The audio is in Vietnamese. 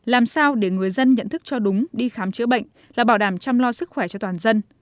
làm sao để người dân nhận thức cho đúng đi khám chữa bệnh là bảo đảm chăm lo sức khỏe cho toàn dân